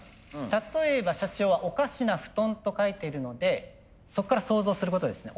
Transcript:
例えば社長は「おかしな」「ふとん」と書いてるのでそこから想像することですね。